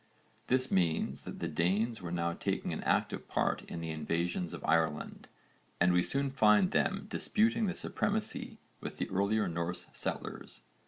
This means that the Danes were now taking an active part in the invasions of Ireland, and we soon find them disputing the supremacy with the earlier Norse settlers.